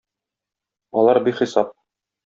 Алар бихисап.